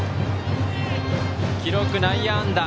記録、内野安打。